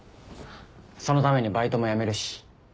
そのためにバイトも辞めるし。